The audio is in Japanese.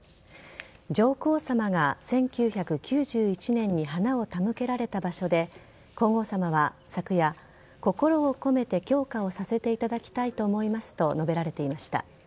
上皇さまが１９９１年に花を手向けられた場所で、皇后さまは昨夜、心を込めて供花をさせていただきたいと思いますと述べられていました。